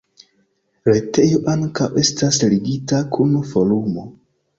Retejo ankaŭ estas ligita kun Forumo.